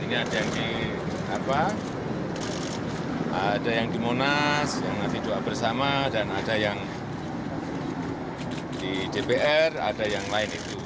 ini ada yang di monas yang nanti doa bersama dan ada yang di dpr ada yang lain itu